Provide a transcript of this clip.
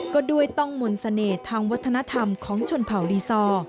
ก็ด้วยต้องมนต์เสน่ห์ทางวัฒนธรรมของชนเผ่าลีซอร์